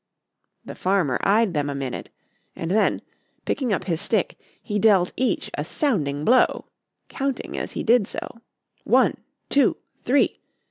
The farmer eyed them a minute, and then, picking up his stick, he dealt each a sounding blow, counting, as he did so, 'One! two! three!